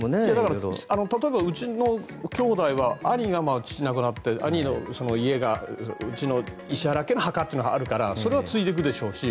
例えば、うちの兄弟は兄が、父が亡くなって兄の家が、うちの石原家の墓というのがあるからそれは継いでいくでしょうし。